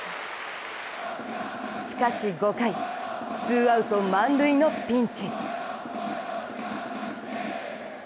しかし５回、ツーアウト満塁のピンチ。